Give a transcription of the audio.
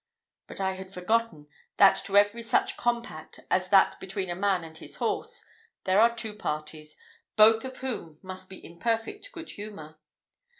But I had forgotten, that to every such compact as that between a man and his horse, there are two parties, both of whom must be in perfect good humour.